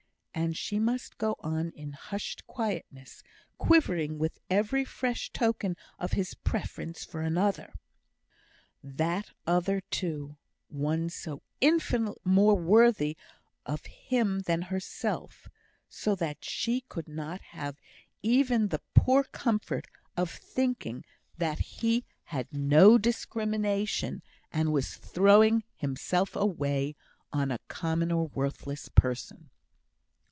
And she must go on in hushed quietness, quivering with every fresh token of his preference for another! That other, too, one so infinitely more worthy of him than herself; so that she could not have even the poor comfort of thinking that he had no discrimination, and was throwing himself away on a common or worthless person.